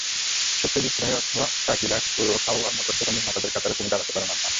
সত্যজিৎ রায় অথবা আকিরা কুরোসাওয়ার মতো সেরা নির্মাতাদের কাতারে তিনি দাঁড়াতে পারেন অনায়াসে।